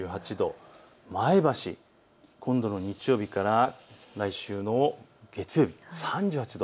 前橋、今度の日曜日から来週の月曜日３８度。